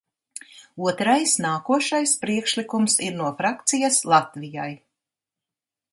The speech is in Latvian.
"Otrais, nākošais, priekšlikums ir no frakcijas "Latvijai"."